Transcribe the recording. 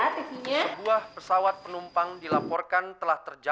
sebuah pesawat penumpang dilaporkan telah terjadi